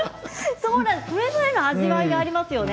それぐらいの味わいがありますよね。